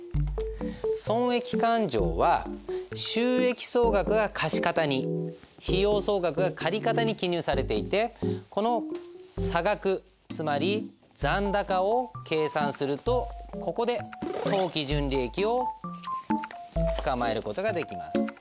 損益勘定は収益総額が貸方に費用総額が借方に記入されていてこの差額つまり残高を計算するとここで当期純利益を捕まえる事ができます。